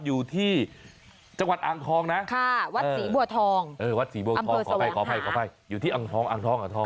อยู่ที่จังหวัดอ่างทองนะค่ะวัดสีบัวทองเออวัดสีบัวทองขอให้อยู่ที่อ่างทอง